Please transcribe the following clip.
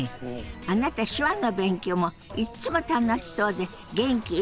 あなた手話の勉強もいっつも楽しそうで元気いっぱいですもんね！